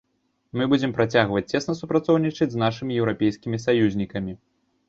Мы будзем працягваць цесна супрацоўнічаць з нашымі еўрапейскімі саюзнікамі.